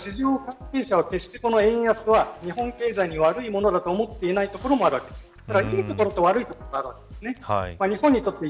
ですから、市場関係者は決してこの円安は日本経済に悪いものだとは思っていないところもあるわけです。